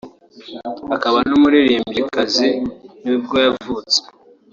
akaba n’umuririmbyikazi nibwo yavutse